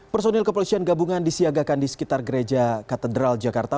personil kepolisian gabungan disiagakan di sekitar gereja katedral jakarta